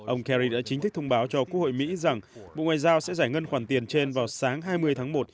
ông kerry đã chính thức thông báo cho quốc hội mỹ rằng bộ ngoại giao sẽ giải ngân khoản tiền trên vào sáng hai mươi tháng một